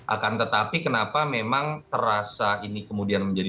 akan tetapi kenapa memang terasa ini kemudian menjadi